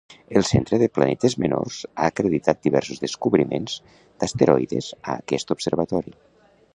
El Centre de Planetes Menors ha acreditat diversos descobriments d'asteroides a aquest Observatori.